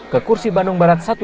ke kursi bandung barat satu dan dua